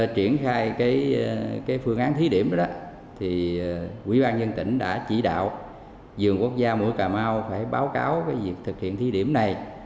thì ủy ban nhân dân tỉnh đã chỉ đạo dường quốc gia mũi cà mau phải báo cáo việc thực hiện thi điểm này